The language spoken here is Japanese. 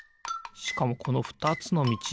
しかもこのふたつのみち